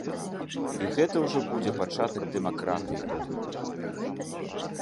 І гэта ўжо будзе пачатак дэмакратыі.